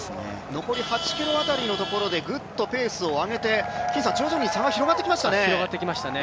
残り８ｋｍの辺りでぐっとペースを上げて徐々に差が広がってきましたね。